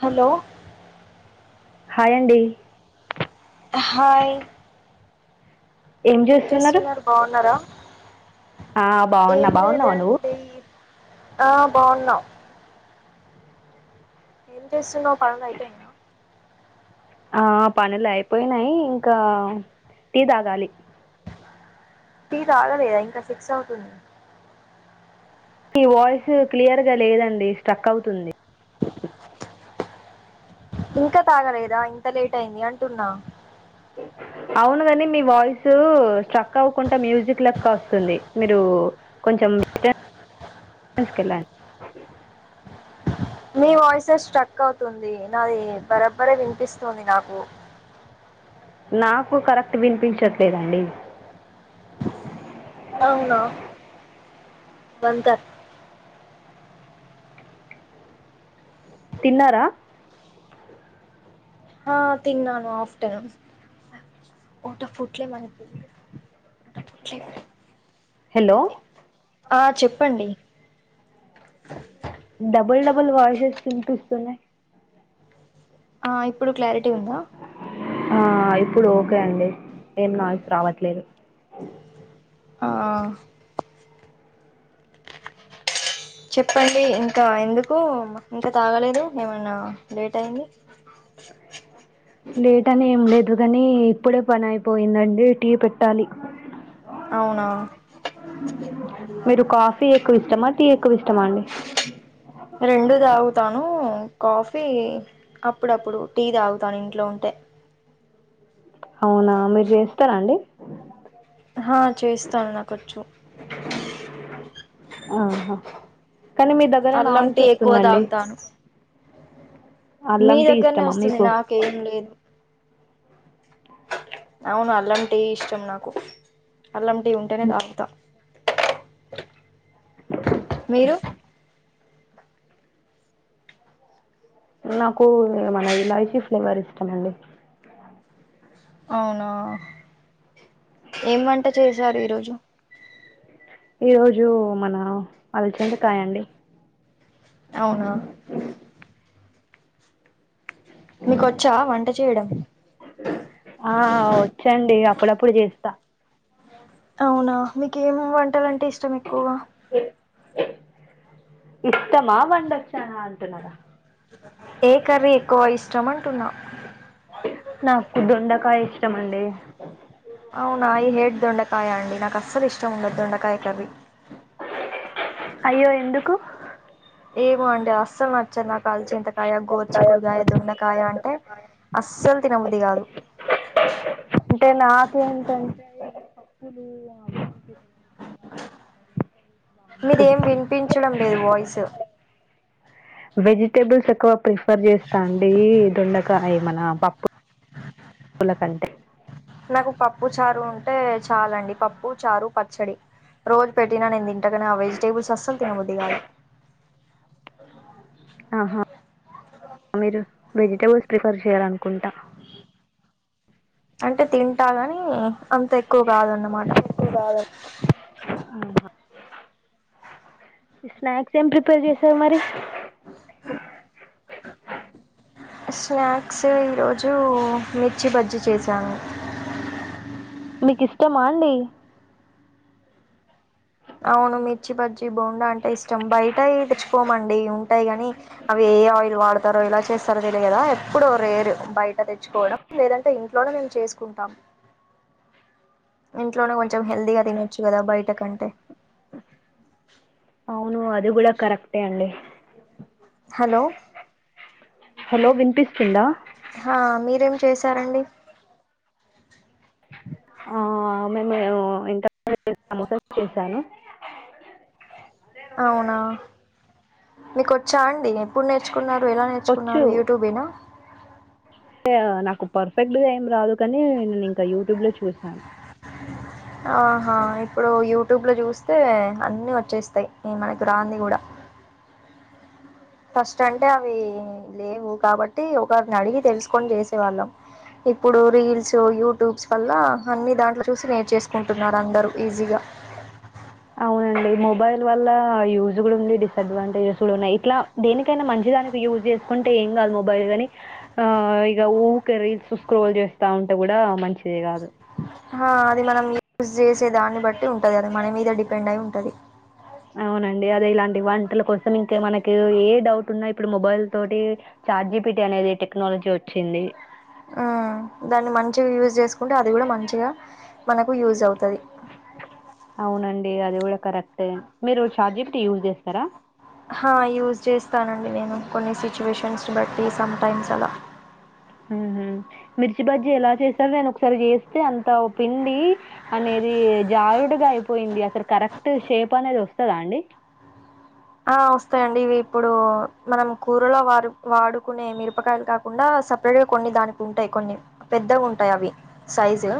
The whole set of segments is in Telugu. హలో హాయ్ అండి అహాయ్ ఏం చేస్తున్నర్ బాన్నారా ఆ, ఏం బాగున్నా బాగున్నావా నువ్వు లేదండి ఆ బాన్న ఏం చేస్తున్నావ్ పనులు ఐపే ఆ పనులైపోయినాయ్ ఇంక టీ తాగాలి టీ తాగలేదా ఇంకా సిక్స్ అవుతు ఇ వాయిస్ క్లియర్గా లేదండి స్ట్రక్ అవ్తుంది ఇంక తాగలేదా ఇంత లేట్ ఐంది అంటున్న ఔనుగని మీ వాయిస్ స్ట్రక్ అవ్వుకుంట మ్యూజిక్ లెక్క అస్తుంది మిరూ [unintelligible] మీ వాయిసే స్ట్రక్ అవుతుంది నాది బరబరే వినిపిస్తుంది నాకు నాకు కరెక్ట్ వినిపించట్లేదండి అవునా [unintelligible] తిన్నార ఆ తిన్నాను ఆఫ్టర్నూన్ హలో [unintelligible] ఆ చెప్పండి డబల్ డబల్ వయిసెస్ వినిపిస్తునాయ్ ఆ ఇప్పుడు క్లారిటీ ఉంద ఆ ఇప్పుడు ఓకే అండి ఏం నాయిస్ రావట్లేదు ఆ చెప్పండి ఇంత ఎందుకు ఇంక తాగలేదు ఏమన్నా లేట్ అయింది లేట్ అని ఏం లే అందుకని ఇప్పుడే పని అయిపోయిందండి టీ పెట్టాలి అవునా మీరు కాఫీ ఎక్కువ ఇష్టమా టీ ఎక్కువ ఇష్టమా రెండు తాగుతాను కాఫీ అప్పుడప్పుడు టీ తాగుతాను ఇంట్లో ఉంటే అవునా మీరు చేస్తార అండి ఆ చేస్తాను నాకొచ్చు ఆహా కానీ మీ దగ్గర అల్లం నాయిస్ టీ ఎక్కువ వస్తుందండి తాగుతాను మీ అల్లం టీ దగ్గరనే ఇష్టమా వస్తుంది మీకు నాకేం లేదు అవును అల్లం టీ ఇష్టం నాకు అల్లం టీ ఉంటేనే తాగుత మీరు నాకు మన ఇలాయచీ ఫ్లేవర్ ఇష్టమండి అవునా ఎం వంట చేశారు ఈరోజు ఈ రోజు మన అలచంద కాయండి అవునా మీకొచ్చా వంట చేయడం ఆ ఒచ్చండి అ అప్పుడప్పుడు చేస్త అవునా మీకు ఏం వంటలుంటే ఇష్టం ఎక్కువగ ఇష్టమా వండొచ్చార అంటున్నారా ఏ కర్రీ ఎక్కువ ఇష్టం అంటున్నా నాకు దొండకాయ ఇష్టమండి అవునా ఐ హేట్ దొండకాయ అండి నాకు అస్సలు ఇష్టం ఉండదు దొండకాయ కర్రీ అయ్యో ఎందుకు ఏమో అండి అస్సలు నచ్చదు కాలిచంతకాయ చెక్కాయం గోరుచికుడుకాయ దున్నకాయ గోరుచిక్కుడుకాయ అంటే దొండకాయ అంటే అస్సలు తినబుద్ధి కాదు అంటే నాకేంటంటే పప్పులు మీదేం వినిపించడం లేదు వాయిసు వెజిటేబుల్స్ ఎక్కువ ప్రిఫర్ చేస్తా అండి [unintelligible] కాయ మన పప్పు పప్పుల కంటే నాకు పప్పు చారు ఉంటే చాలండి పప్పు చారు పచ్చడి రోజు పెట్టినా నేను తింటకనే ఆ వెజిటేబుల్స్ అస్సలు తినబుద్ధి కాదు ఆహా మీరు వెజిటబుల్స్ ప్రిఫర్ చేయాలనుకుంట అంటే తింట గాని అంత ఎక్కువ కాదున్నమాట ఎక్కువ కాదండి స్నాక్స్ ఏమి ప్రీ [unintelligible] చేసారు మరి స్నాక్స్ ఈరోజు మిర్చి బజ్జీ చేశాను మీకు ఇష్టమా అండి అవును మిర్చి బజ్జి బోండా అంటే ఇష్టం బయటయ్ తెచ్చుకోమండి ఉంటాయి కాని అవి ఏ ఆయిల్ వాడతారో ఇలా చేస్తారో తెలియ కదా ఎప్పుడు రేరు బయట తెచ్చుకోవడం లేదంటే ఇంట్లోనే మేము చే చేసుకుంటాం అ ఇంట్లోనే కొంచెం హెల్దీగా తినొచ్చు కదా బయట కంటే అవును అది కూడా కరెక్టే అండి హలో హలో వినిపిస్తుందా హ మీరు ఏం చేసారండి ఆ మేము ఇంతకముందే సమోసా చేసాను అవునా మీకు వచ్చా అండి ఏప్పుడు నేర్చుకున్నారు ఎలా నేర్చుకున్నారు వచ్చు యూట్యూబ్ ఏనా అంటే ఆ నాకు పర్ఫెక్ట్గా ఏం రాదు కాని నేను ఇంకా యూట్యూబ్ లో చూశాను ఆహా ఇప్పుడు యూట్యూబ్ లో చూస్తే అన్ని వచ్చేస్తాయి ఈ మనకు రాంది కూడా ఫస్ట్ అంటే అవి లేవు కాబట్టి ఒకరిని అడిగి తెలుసుకొని చేసేవాళ్ళం ఇప్పుడు రీల్స్ యూట్యూబ్స్ వల్ల అన్ని దాంట్లో చూసి నేర్చేసుకుంటున్నారు అందరూ ఈజీగా అవునండి మొబైల్ వల్ల యూజ్ కూడా ఉంది డిసడ్వాంటేజెస్ కూడా ఉన్నాయి ఇట్లా దేనికైనా మంచిదానికి యూజ్ చేసుకుంటే ఏం కాదు మొబైల్ కాని ఆ ఇక ఊకే రీల్స్ స్క్రోల్ చేస్తా ఉంటే కూడా మంచిది కాదు అది మనం యూజ్ చేసే దాన్ని బట్టి ఉంటది అది మన మీద డిపెండ్ అయి ఉంటది అవునండి అదే ఇలాంటి వంటల కోసం ఇంకా మనకి ఏ డౌట్ ఉన్నా ఇప్పుడు మొబైల్ తోటి చార్జిపిటీ అనేది టెక్నాలజీ వచ్చింది ఆ దాన్ని మంచిగా యూజ్ చేసుకుంటే అది కూడా మంచిగా మనకు యూజ్ అవుతది అవునండి అది కూడా కరెక్ట్ మీరు చార్జిపిటీ యూజ్ చేస్తారా హ యూజ్ చేస్తానండి నేను కొన్ని స్విచవేషన్స్ బట్టి సమ్ టైమ్స్ అలా ఉహు మిర్చి బజ్జీ ఎలా చేస్తారు నేను ఒకసారి చేస్తే అంతా పిండి అనేది కి జారుడుగా అయిపోయింది అసలు కరెక్ట్ షేప్ అనేది వస్తదా అండి ఆ వస్తాయండి ఇవి ఇప్పుడు మనం కూరలో వాడు వాడుకునే మిరపకాయలు కాకుండా సపరేట్ గా కొన్ని దానికి ఉంటాయి కొన్ని పెద్దగా ఉంటాయి అవి సైజు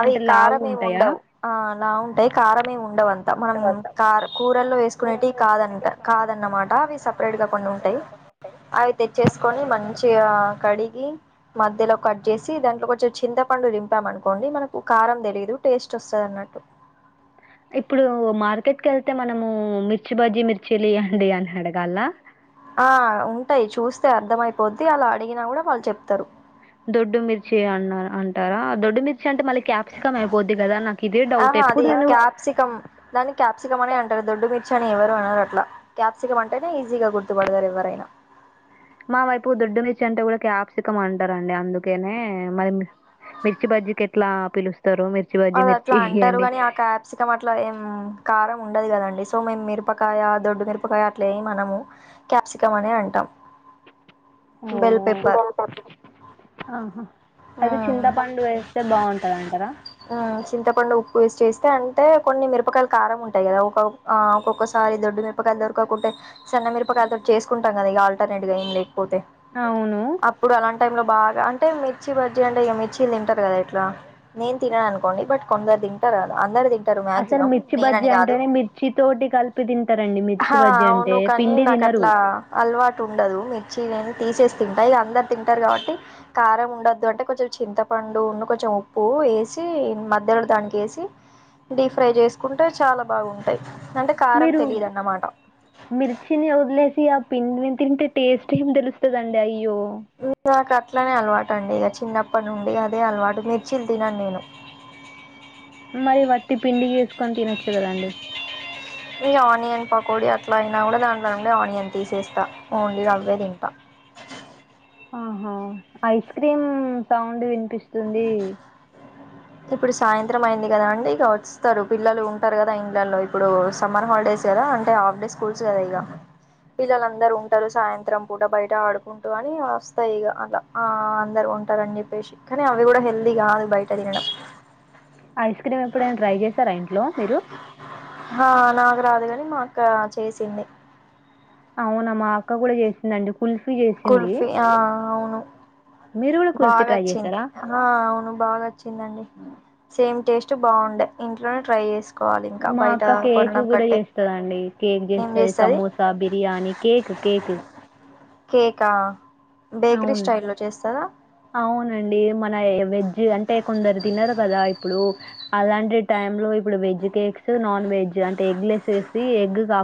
అవి అంటే కారం ఏం లావుగుంటయా? ఉండవు ఆ లావు ఉంటాయి కారం ఏం ఉండవు అం తమన్ కార్ కూరల్లో వేసుకునేటి కాదు అంట కాదన్నమాట అవి సపరేట్ గా కొన్ని ఉంటాయి అవి తెచ్చేసుకొని మంచిగా కడిగి మధ్యలో కట్ చేసి దాంట్లో కొంచెం చింతపండు రింపం అనుకోండి మనకు కారం తెలియదు టేస్ట్ వసు సర్ నట్టు ఇప్పుడు మార్కెట్ కు వెళ్తే మనము మిర్చి బజ్జి మిర్చిలు ఇయ్యండి అని అడగాల ఆ ఉంటాయి చూస్తే అర్థంమయిపోద్ది అలా అడిగినా కూడా వాళ్ళు చెప్తారు దొడ్డుమిర్చి అన్న అంటారా ఆ దొడ్డుమిర్ డౌట్. ఆహా ఎప్పుడు అది నేను క్యాప్సికం దాని క్యాప్సికం అనే అంటారు దొడ్డు మీ చని ఎవరు అనారు అట్లా క్యాప్సికం అంటేనే ఈజీగా గుర్తుపడతారు ఎవరైనా మా వైపు దొడ్డుమిర్చి అంటే కూడా క్యాప్సికం అంటారండి అందుకేనే మరి మీ మిర్చి బజ్జీకి ఎట్లా పిలుసు అది అట్లా అంటారు గాని ఆ క్యాప్సికం అట్లా ఏం కారం ఉండదు కదండి సో మేము మిరపకాయ దొడ్డు మిరపకాయ అట్ల ఏం అనము క్యాప్సికం అనే అంటాం అ బెల్ అవునా పెప్పర్ ఆహా ఆ అయితే చింతపండు వేస్తే బాగుంటది అంటారా ఆ చింతపండు ఉప్పు వేసి చేసి సి అంటే కొన్ని మిరపకాయలు కారం ఉంటాయి కదా ఒక ఒక్కొక్కసారి దొడ్డు మిరపకాయలు దొరకకుంటే వున్న మిరపకాయలు తో చేసుంటాం కదా ఇగ ఆల్టర్నేట్ గా ఏం లేకపోతే అవును అప్పుడు అలాంటి టై లో బాగా అంటే మిర్చి బజ్జీ అంటే ఇగ మిర్చిలు తింటారు కదా ఎట్లా నేను తినను అనుకోండి బట్ కొందరు తింటారు గదా అందరు తిం దరు తింటారు అసలు మాక్సిమం మిర్చి బజ్జీ నేనని గాదు అంటేనే మిర్చి తోటి కలిపి తింటారండి ఆహ మిర్చి బజ్జీ అవును అంటే కాని పిండి నాకి తినరు అట్లా అలవాటు ఉండదు మి తీసేసి తింటా ఇగ అందరు తింటారు కాబట్టి కారం ఉండొద్దు అంటే కొంచెం చింతపండు ను కొంచెం ఉప్పు ఉప్పు ఏసి మధ్యలో దానికి వేసి డీప్ ఫ్రై జేసుకుంటే చాలా బావుంటాయ్ మీరు మిర్చిని వదిలేసి అప్ పిండి ని తింటే టేస్ట్ ఏం తెలుస్తదండి అయ్యో నాకు అట్లనే అలవాటు అండి ఇగ చిన్నప్పటి నుండి అదే అలవాటు మిర్చిలు తినను నేను మరి వట్టి పిండి జేసుకొని తినొచ్చు కద అండి పకొడి అట్లా అయినా గూడా దాంట్లో నుండి ఆనియన్ తీసేస్తా ఓన్లీ రవ్వే తింటా ఆహా ఐస్ క్రీమ్ సౌండ్ వినిపిస్తుంది ఇప్పుడు సాయంత్రం అయింది గదా అండి ఇక వస్తారు పిల్లలు ఉంటారు గదా ఇండ్లలో ఇప్పుడు సమ్మర్ హాలిడేస్ గదా అంటే హాఫ్ డే స్కూల్స్ గదా ఇగ పిల్లలు అందరూ ఉంటారు సాయంత్రం పూట బయట ఆడుకుంటూ అని వస్తాయి ఇగ అట్లా ఆ అందరు ఉంటారని అనిజొప్పేసి కానీ అవి గూడా హెల్దీ గాదు బయట దినడం ఐస్ క్రీమ్ ఎప్పుడైనా ట్రై చేశారా ఇంట్లో మీరు హా నాకు రాదు గాని మా అక్క చేసింది అవునా మా అక్క గూడా చేసిందండి కుల్ఫీ చేసింది కుల్ఫీ ఆ అవును మీరు కూడా కుల్ఫీ బాగా ట్రై అచ్చింది చేశారా హా అవును బాగా అచ్చిందండి సేమ్ టేస్ట్ బాగుండ ఇంట్లోనే ట్రై ఏసుకోవాలి ఇంకా మా బయట అక్క కేక్ కొనడం కూడా కట్టే ఏం జేస్తది బిర్యాని కేకు కేకు కేకా బేక్రీ అవును స్టైల్ లో చేస్తద అవునండి మన వెజ్ అంటే కొందరు తినరు కదా ఇప్పుడు అలాంటి టైం లో ఇప్పుడు వెజ్ కేక్స్ నాన్ వెజ్ అంటే ఎగ్ లెస్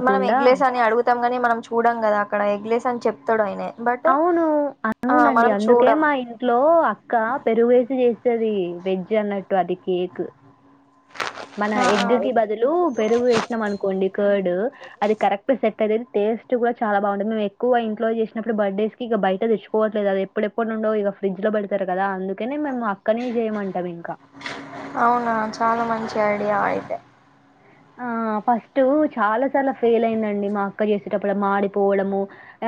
మనం ఎగ్లేస్ అని అడుగుతాంగాని మనం చూడం గదా అక్కడ ఎగ్లేస్ అని చెప్తాడు ఆయనే బట్ అవును ఆ అవునండి మనం అందుకే చూడం మా ఇంట్లో అక్క పెరుగు ఏసి జేస్తది వెజ్ అన్నట్టు అది కేకు మన ఆ ఎగ్ కి బదులు పెరుగు ఏసినాం అనుకోండి కర్డ్ అది కరెక్ట్ సెట్ అ [unintelligible] టేస్ట్ కూడా చాలా బాగుంటుంది మేము ఎక్కువ ఇంట్లో చేసినప్పుడు బర్త్డేస్ కి ఇక బయట తెచ్చుకోవట్లేదు అది ఎప్పుడెప్పుడు నుండో ఇగ ఫ్రిడ్జ్ లో బెడతారు కదా అందుకనే మేము అక్కనే జేయమంటాం ఇంకా టైడ్ గావ్ అయితే ఆ ఫస్ట్ చాలా సార్ల ఫెయిల్ అయిందండి మా అక్క చేసేటప్పుడు మాడిపోవడము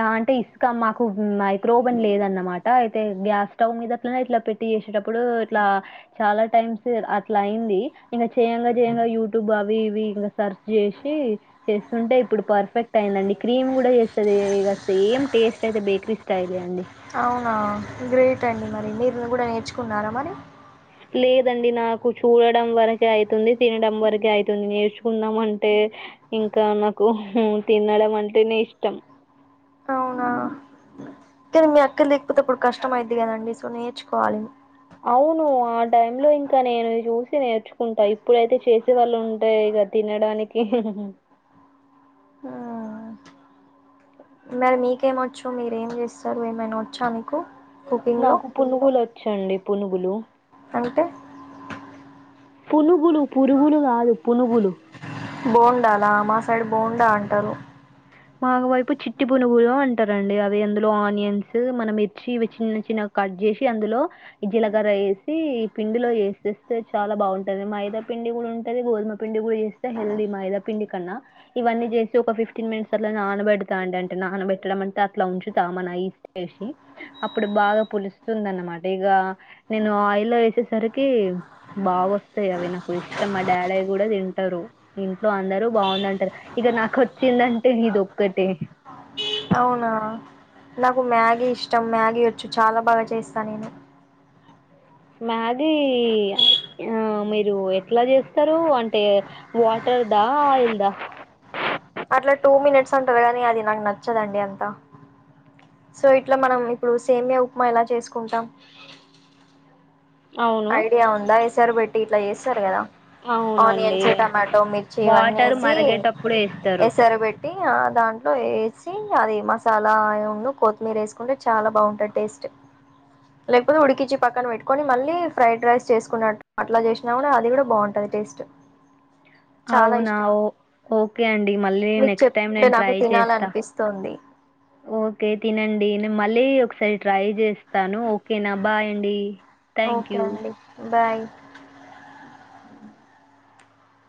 ఆ అంటే ఇసుక మాకు మైక్రోబన్ లేదన్నమాట అయితే గ్యాస్ స్టవ్ మీద అట్ల ఇట్లా పెట్టి చేసట ఇప్పుడు ఇట్లా చాలా టైమ్ సిజరు అట్లా అయింది ఇంగ చెయంగా జేయంగా యూటూబ్ అవి అవి ఇవి ఇంగ సర్చ్ జేసి చేస్తుంటే ఇప్పుడు పర్ఫెక్ట్ అయిందండి క్రీమ్ గుడా చేస్తది ద సేమ్ టేస్ట్ అయితే బేక్రీ స్టైల్ అవునా గ్రేట్ అండి మరి మీరు గూడా నేర్చుకున్నారా మరి లేదండి నాకు చూడడం వరకే అయితుంది తినడం వరకే అయితుంది నేర్చుకుందాం అంటే ఇంకా నాకు తినడం అంటే నే ఇష్టం అవునా కానీ మీ అక్కల లేకపోతే ఇప్పుడు కష్టం అయిద్ది కదండి సో నేర్చుకోవాలి అవును ఆ టైం లో ఇంకా నేను చూసి నేర్చుకుంటా ఇప్పుడైతే చేసి వొళ్ళు ఉంటే ఇగ తినడానికి హా మరి మీకేమ వచ్చు మీరేం చేస్తారు ఏమైనా వచ్చా మీకు కుకింగ్లో నాకు పునుగులు వచ్చండి పునుగులు అంటే పునుగులు పురుగులు కాదు పునుగులు ఇటు సైడ్ బోండా అంటారు మాకు వైపు చిట్టి పునుగులు అంటారండి అవి అందులో ఆనియన్స్ మన మిర్చి ఇవి చిన్న చిన్న కట్ చేసి అందులో జీలకర్ర వేసి ఈ పిండిలో వేసేస్తే చాలా బాగుంటది మైదా పిండి కూడా ఉంటది గోధుమ పిండి కూడా చేస్తే హెల్ది మైదా పిండి కన్నా ఇవన్నీ చేసి ఒక ఫిఫ్టీన్ మినిట్స్ నానబెడతా అండి అంటే నానబెట్టడం అంటే అట్లా ఉంచుతా మన ఉప్పు ఏసీ అప్పుడు బాగా పులుస్తుంది అన్నమాట ఇక నేను ఆయిల్లో వేసేసరికి బాగాస్తాయి అవి నాకు ఇష్టం మా డాడయ కూడా తింటారు ఇంట్లో అందరు బాగుందంటారు ఇక నాకు వచ్చిందంటే ఇది దొక్కటే అవునా నాకు మ్యాగీ ఇష్టం మ్యాగీ వచ్చు చాలా బాగా చేస్తా నేను మ్యాగీ ఆ మీరు ఎట్లా చేస్తారు అంటే వాటర్ వాటర్ దా ఎంద అట్లా టూ మినిట్స్ అంటారు కానీ అది నాకు నచ్చదండి అంతా సో ఇట్లా మనం ఇప్పుడు సేమియ ఉప్మా ఎలా చేసుకుంటాం అవును. ఐడియా ఉందా ఎసరు పెట్టి ఇట్లా చేస్తారు కదా అవునండి. ఆనియన్స్ టమాటో మిర్చి ఇవన్నీ వాటర్ వేసి మరిగేటప్పుడు ఏస్తారు. ఎసర పెట్టి ఆ దాంట్లో వేసి అది మస లా ఉన్ను కొత్తిమీర వేసుకుంటే చాలా బాగుంటుంది టేస్ట్ లేపోతే ఉడికిచీ పక్కన పెట్టుకొని మళ్ళీ ఫ్రైడ్ రైస్ చేసుకున్నట్టు అట్లా చేసినా కూడా అది కూడా బాగుంటుంది టేస్ట్ చాలా అవునా ఇష్టం ఓ ఓకే అండి మళ్ళీ మీకు నెక్స్ట్ టైం చెప్తుంటే నేను నాకు ట్రై చేస్తా తినాలనిపిస్తుంది ఓకే తినండి నేను మళ్ళీ ఒకసారి ట్రై చేస్తాను ఓకేనా బాయ్ అండి థ్యాంక్ ఓకే యూ అండి బాయ్